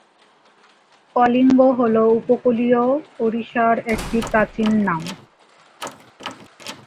কলিঙ্গ হল উপকূলীয় ওড়িশার একটি প্রাচীন নাম।